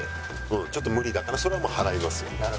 ちょっと無理だからそれはもう払いますよ。